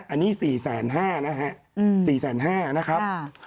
อันนี้๔แสน๕นะฮะ๔แสน๕นะครับ